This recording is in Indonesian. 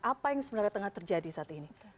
apa yang sebenarnya tengah terjadi saat ini